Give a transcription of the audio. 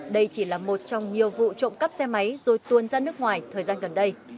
đây chỉ là một trong nhiều vụ trộm cắp xe máy rồi tuôn ra nước ngoài thời gian gần đây